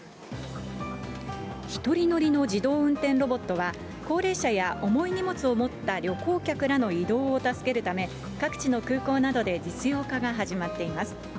１人乗りの自動運転ロボットは高齢者や重い荷物を持った旅行客らの移動を助けるため、各地の空港などで実用化が始まっています。